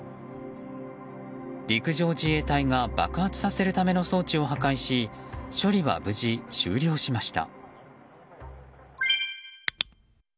陸上自衛隊が爆発させるための装置を破壊し処理は無事終了しました。